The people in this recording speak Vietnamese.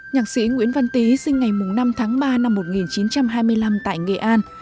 nhạc sĩ nguyễn văn tý sinh ngày năm tháng ba năm một nghìn chín trăm hai mươi năm tại nghệ an